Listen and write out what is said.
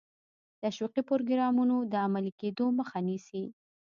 تشویقي پروګرامونو د عملي کېدو مخه نیسي.